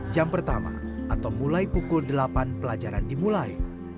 jam pertama atau mulai pukul delapan pelajaran dimulai